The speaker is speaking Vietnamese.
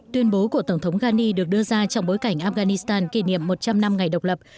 tuyên bố của tổng thống ghani được đưa ra trong bối cảnh afghanistan kỷ niệm một trăm linh năm ngày độc lập